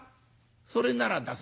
「それなら出す。